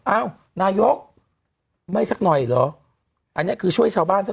อ้าวนายกไม่สักหน่อยเหรออันนี้คือช่วยชาวบ้านซะ